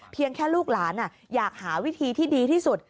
แค่ลูกหลานอยากหาวิธีที่ดีที่สุด